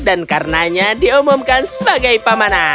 dan karenanya diumumkan sebagai pemanah